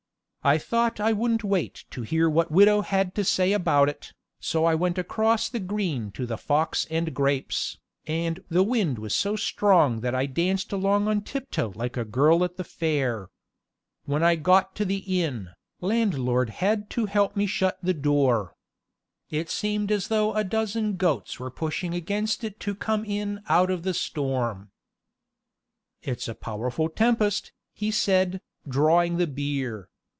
I thought I wouldn't wait to hear what widow had to say about it, so I went across the green to the Fox and Grapes, and the wind was so strong that I danced along on tiptoe like a girl at the fair. When I got to the inn, landlord had to help me shut the door. It seemed as though a dozen goats were pushing against it to come in out of the storm. "It's a powerful tempest," he said, drawing the beer.